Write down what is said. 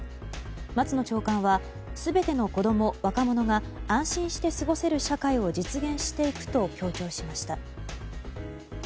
松野長官は全ての子供、若者が安心して過ごせる社会を実現していくと強調しました。